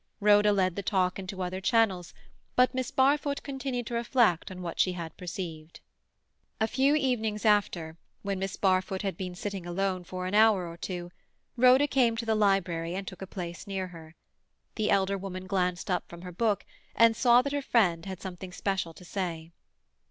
Rhoda led the talk into other channels, but Miss Barfoot continued to reflect on what she had perceived. A few evenings after, when Miss Barfoot had been sitting alone for an hour or two, Rhoda came to the library and took a place near her. The elder woman glanced up from her book, and saw that her friend had something special to say.